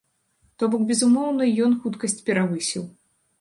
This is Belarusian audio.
То бок, безумоўна, ён хуткасць перавысіў.